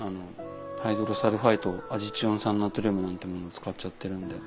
ハイドロサルファイト亜ジチオン酸ナトリウムなんてもの使っちゃってるんで。